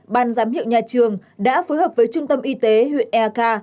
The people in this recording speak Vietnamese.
ban giám hiệu nhà trường đã phối hợp với trung tâm y tế huyện eak